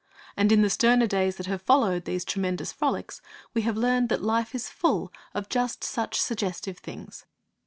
And, in the sterner days that have followed those tremendous frolics, we have learned that life is full of just such suggestive things.